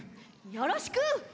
よろしく！